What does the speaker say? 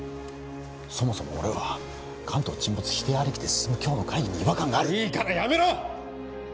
そもそも俺は関東沈没否定ありきで進む今日の会議に違和感があるいいからやめろ！